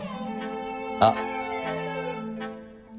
あっ。